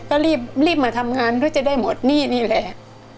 ก็รีบมาทำงานด้วยจะได้หมดหนี้นี่แหละ